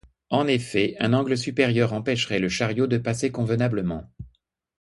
En effet, un angle supérieur empêcherait le chariot de passer convenablement.